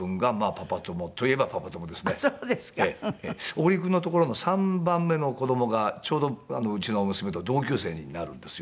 小栗君のところの３番目の子供がちょうどうちの娘と同級生になるんですよ。